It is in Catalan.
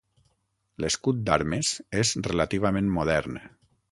L'escut d'armes és relativament modern.